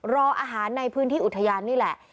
รออาหารในพื้นที่อุทยานนี่แหละ